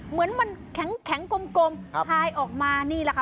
เหมือนมันแข็งกลมคลายออกมานี่แหละค่ะ